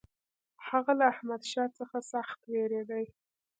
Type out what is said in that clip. هغه له احمدشاه څخه سخت وېرېدی.